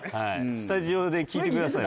スタジオで聞いてください